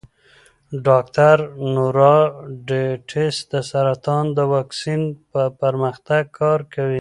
ډاکټر نورا ډسیس د سرطان د واکسین پر پرمختګ کار کوي.